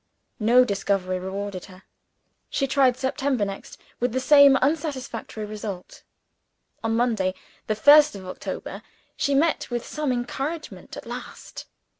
No discovery rewarded her. She tried September, next with the same unsatisfactory results. On Monday the first of October she met with some encouragement at last.